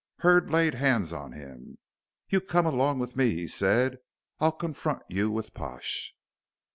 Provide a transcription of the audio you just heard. Hurd laid hands on him. "You come along with me," he said. "I'll confront you with Pash."